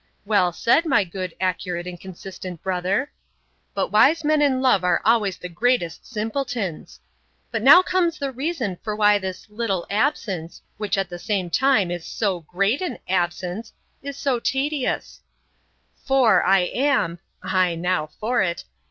Well said, my good, accurate, and consistent brother!—But wise men in love are always the greatest simpletons!—But now cones the reason why this LITTLE ABSENCE, which, at the same time, is SO GREAT an ABSENCE, is so tedious:'—FOR I am—'Ay, now for it!